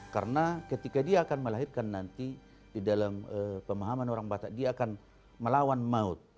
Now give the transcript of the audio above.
karena ketika dia akan melahirkan nanti di dalam pemahaman orang batak dia akan melawan maut